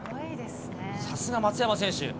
さすが松山選手。